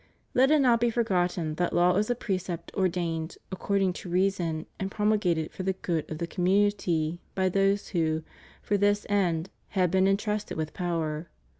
Let it not be forgotten that law is a precept ordained according to reason and promulgated for the good of the com munity by those who, for this end, have been entrusted with power.